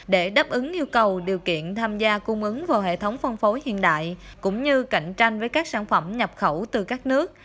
để đáp ứng yêu cầu điều kiện tham gia cung ứng vào hệ thống phân phối hiện đại cũng như cạnh tranh với các sản phẩm nhập khẩu từ các nước